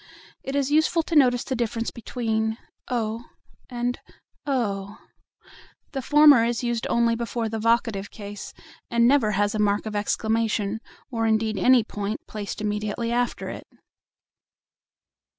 It is useful to notice the difference between "O" and "Oh." The former is used only before the vocative case, and never has a mark of exclamation, or indeed any point, placed immediately after it.